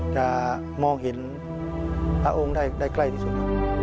จะมองเห็นพระองค์ได้ใกล้ที่สุด